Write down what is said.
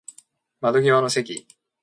窓際の席